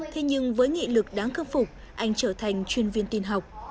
thế nhưng với nghị lực đáng khớp phục anh trở thành chuyên viên tin học